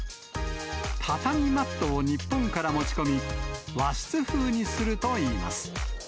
畳マットを日本から持ち込み、和室風にするといいます。